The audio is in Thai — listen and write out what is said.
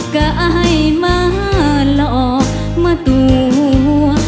ก็อายมาหลอกมาตัว